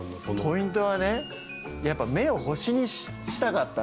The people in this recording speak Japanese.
ポイントはねやっぱ目を星にしたかったんですよ。